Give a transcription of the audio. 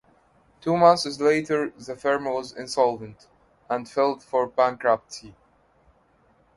Two months later the firm was insolvent, and filed for bankruptcy.